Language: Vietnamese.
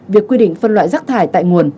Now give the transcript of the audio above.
việc quy định phân loại rác thải tại nguồn